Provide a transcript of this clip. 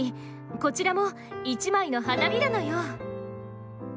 こちらも一枚の花びらのよう。